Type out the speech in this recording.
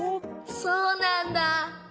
そうなんだ。